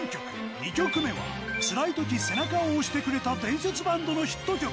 ２曲目は、つらいとき背中を押してくれた伝説バンドのヒット曲。